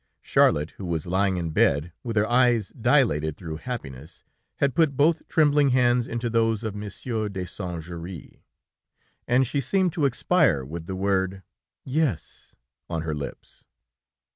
Charlotte, who was lying in bed, with her eyes dilated through happiness, had put both trembling hands into those of Monsieur de Saint Juéry, and she seemed to expire with the word: "Yes" on her lips.